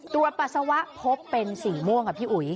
ตัวปัสสาวะพบเป็นสีม่วงครับพี่หอวิ